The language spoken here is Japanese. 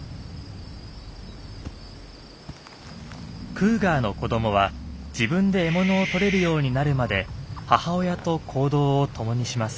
クーガーの子どもは自分で獲物を取れるようになるまで母親と行動を共にします。